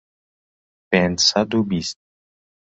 پێنج سەد و بیست